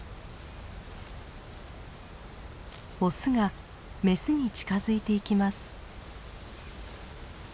オスがメスに近づいていきます。